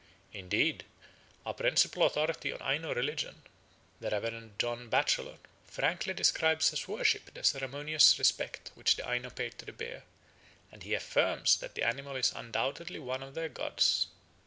Indeed our principal authority on Aino religion, the Rev. John Batchelor, frankly describes as worship the ceremonious respect which the Aino pay to the bear, and he affirms that the animal is undoubtedly one of their gods.